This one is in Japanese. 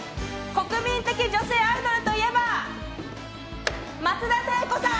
国民的女性アイドルといえば松田聖子さん！